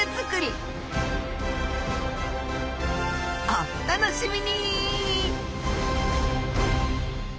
おっ楽しみに！